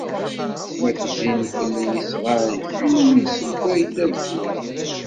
Ma tezzin fell-i yesɣan, kemmini sewway-d adfel.